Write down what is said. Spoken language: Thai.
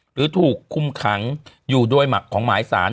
หรือถูกคุมขังอยู่โดยหมักของหมายสาร